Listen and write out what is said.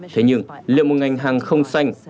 thế nhưng liệu một ngành hàng không có năng lượng điện